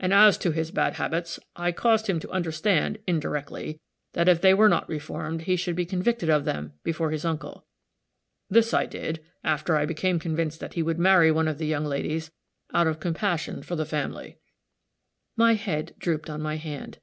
And as to his bad habits, I caused him to understand, indirectly, that if they were not reformed, he should be convicted of them, before his uncle. This I did (after I became convinced that he would marry one of the young ladies) out of compassion to the family." My head drooped on my hand.